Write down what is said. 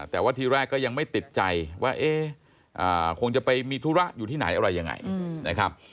แต่ว่าทีแรกก็ยังไม่ติดใจว่าเอ๊ะคงจะไปมีธุระอยู่ที่ไหนอะไรยังไงนะครับ